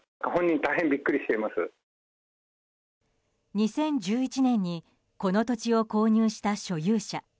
２０１１年にこの土地を購入した所有者。